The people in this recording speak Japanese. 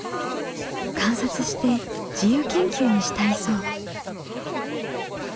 観察して自由研究にしたいそう。